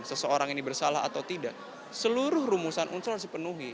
seseorang ini bersalah atau tidak seluruh rumusan unsur harus dipenuhi